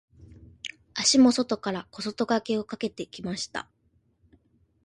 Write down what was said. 足も外から小外掛けをかけてきました。